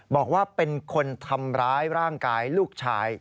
บอกว่าเป็นคนทำร้ายร่างกายลูกชาย